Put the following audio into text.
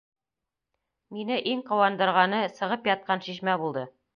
Мине иң ҡыуандырғаны сығып ятҡан шишмә булды.